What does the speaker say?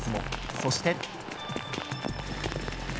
そして。